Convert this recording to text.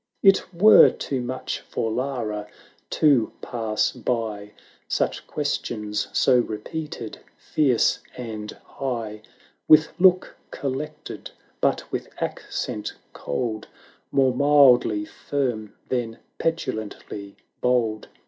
It were too much for Lara to pass by Such questions, so repeated fierce and high; With look collected, but with accent cold, More mildly firm than petulantly bold.